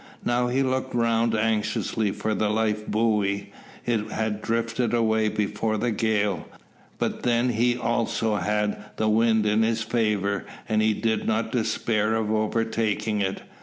Now he looked round anxiously for the life buoy. It had drifted away before the gale. But then he also had the wind in his favour, and he did not despair of overtaking it.